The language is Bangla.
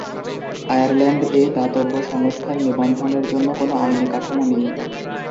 আয়ারল্যান্ড-এ দাতব্য সংস্থার নিবন্ধনের জন্য কোনো আইনি কাঠামো নেই।